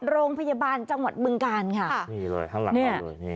โรงพยาบาลจังหวัดบึงกาลค่ะนี่เลยข้างหลังกันเลยนี่